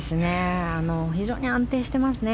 非常に安定してますね。